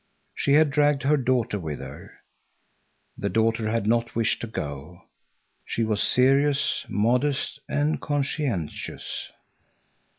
She had dragged her daughter with her. The daughter had not wished to go. She was serious, modest, and conscientious.